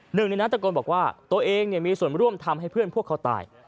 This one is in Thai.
หนึ่งในนั้นตะโกนบอกว่าตัวเองมีส่วนร่วมทำให้เพื่อนพวกเขาตาย